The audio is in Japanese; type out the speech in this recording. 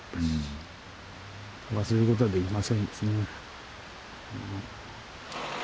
忘れることはできませんですね。